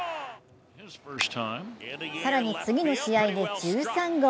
更に次の試合で１３号。